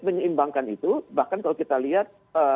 menyeimbangkan itu bahkan kalau kita lihat